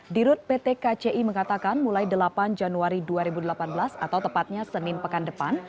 dirut pt kci mengatakan mulai delapan januari dua ribu delapan belas atau tepatnya senin pekan depan